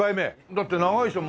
だって長いでしょ？